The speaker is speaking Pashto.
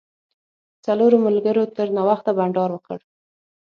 څلورو ملګرو تر ناوخته بانډار وکړ.